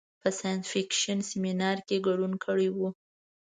په ساینس فکشن سیمنار کې ګډون کړی و.